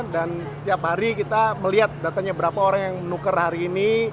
dan setiap hari kita melihat datanya berapa orang yang menuker hari ini